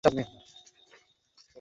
মিলবে দেহ থেকে!